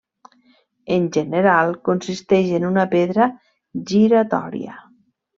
En general, consisteix en una pedra giratòria.